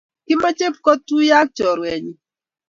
Komache pkotuiyo ak chorwet nyi